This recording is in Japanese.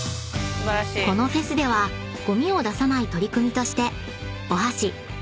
［このフェスではゴミを出さない取り組みとして］